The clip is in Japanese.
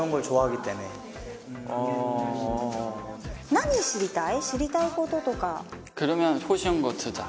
何知りたい？